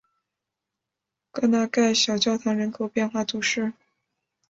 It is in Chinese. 戈纳盖小教堂人口变化图示